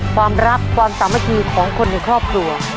ความรักความสามัคคีของคนในครอบครัว